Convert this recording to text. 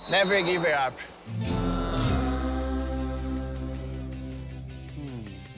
ไม่ใช่นานท่าน